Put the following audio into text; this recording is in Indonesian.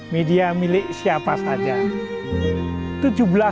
media milik siapa saja